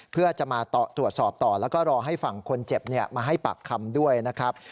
เพื่อจะมาตรวจสอบต่อแล้วก็รอให้ฝั่งคนเจ็บมาให้ปากคำด้วยนะครับ